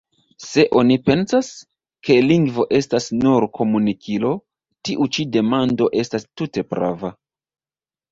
Se oni pensas, ke lingvo estas nur komunikilo, tiu ĉi demando estas tute prava.